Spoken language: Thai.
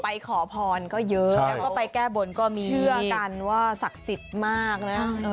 ขอพรก็เยอะแล้วก็ไปแก้บนก็มีเชื่อกันว่าศักดิ์สิทธิ์มากนะ